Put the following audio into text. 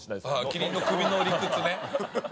キリンの首の理屈ね。